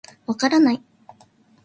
分からない。